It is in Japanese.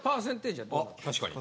あ確かに。